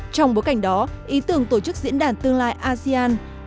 trong bối cảnh đó ý tưởng tổ chức diễn đàn tương lai asean